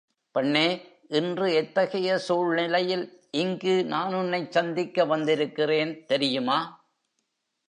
பெண்ணே இன்று எத்தகைய சூழ்நிலையில் இங்கு நான் உன்னைச் சந்திக்க வந்திருக்கிறேன் தெரியுமா?